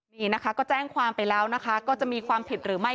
นี่นะคะก็แจ้งความไปแล้วนะคะก็จะมีความผิดหรือไม่